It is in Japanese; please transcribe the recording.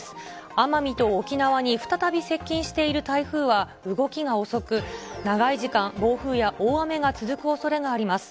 奄美と沖縄に再び接近している台風は、動きが遅く、長い時間、暴風や大雨が続くおそれがあります。